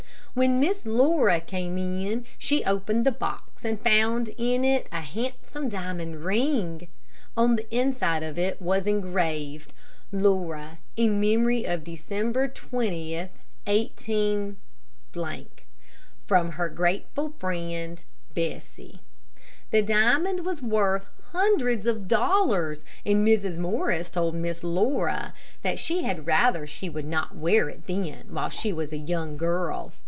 When Miss Laura came in, she opened the box, and found in it a handsome diamond ring. On the inside of it was engraved: "Laura, in memory of December 20th, 18 . From her grateful friend, Bessie." The diamond was worth hundreds of dollars, and Mrs. Morris told Miss Laura that she had rather she would not wear it then, while she was a young girl.